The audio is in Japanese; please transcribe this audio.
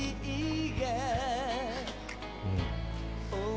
うん。